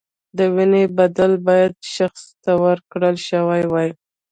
د وینې بدله باید شخص ته ورکړل شوې وای.